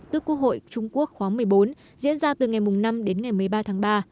tức quốc hội trung quốc khóa một mươi bốn diễn ra từ ngày năm đến ngày một mươi ba tháng ba